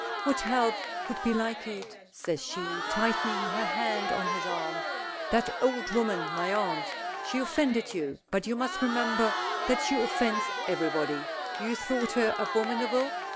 "What help could be like it?" says she, tightening her hand on his arm. "That old woman, my aunt. She offended you, but you must remember that she offends everybody. You thought her abominable?"